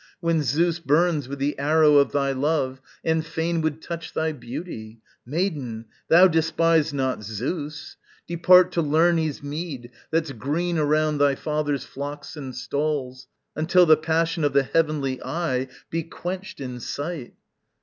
When Zeus burns with the arrow of thy love And fain would touch thy beauty? Maiden, thou Despise not Zeus! depart to Lerné's mead That's green around thy father's flocks and stalls, Until the passion of the heavenly Eye Be quenched in sight."